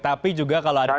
tapi juga kalau ada